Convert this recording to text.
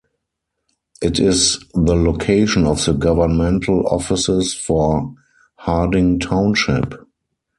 It is the location of the governmental offices for Harding Township.